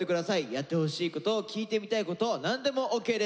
やってほしいこと聞いてみたいこと何でもオーケーです。